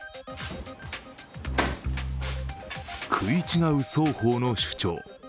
食い違う双方の主張。